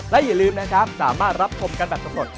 และอย่าลืมนะครับสามารถรับชมกันแบบสำรวจ